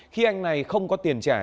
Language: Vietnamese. khi anh này không có tiền trả